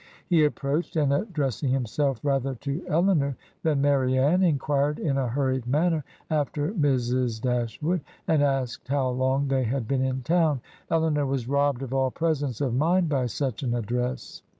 He approached, and, addressing himself rather to EUnor than Marianne, inquired in a hurried manner after Mrs. Dashwood, and asked how long they had been in town. Elinor was robbed of all presence of mind by such an address.